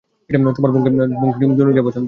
তোমার Donkey Kong জুনিয়রকে পছন্দ?